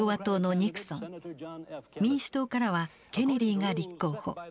民主党からはケネディが立候補。